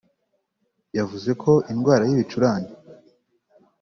yavuze ko indwara y’ibicurane